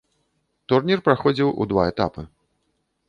Турнір праходзіў у два этапы.